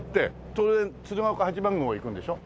当然鶴岡八幡宮も行くんでしょ？